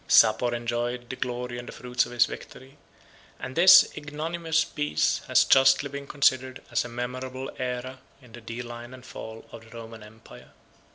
Sapor enjoyed the glory and the fruits of his victory; and this ignominious peace has justly been considered as a memorable æra in the decline and fall of the Roman empire.